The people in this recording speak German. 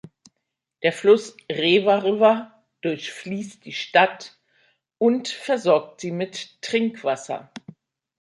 Der Fluss Rewa River durchfließt die Stadt und versorgt sie mit Trinkwasser.